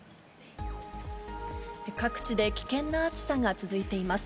各地で危険な暑さが続いています。